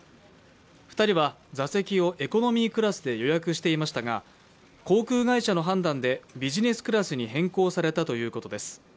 ２人は座席をエコノミークラスで予約していましたが、航空会社の判断でビジネスクラスに変更されたということです。